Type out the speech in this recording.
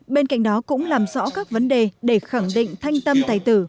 bên cạnh đó cũng làm rõ các vấn đề để khẳng định thanh tâm tài tử